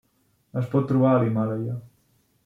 Es pot trobar a l'Himàlaia.